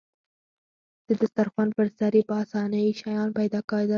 د دسترخوان پر سر يې په اسانۍ شیان پیدا کېدل.